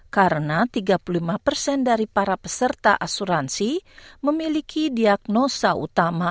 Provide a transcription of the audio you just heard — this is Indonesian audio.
karena tiga puluh lima persen dari para peserta asuransi memiliki diagnosa utama otomatis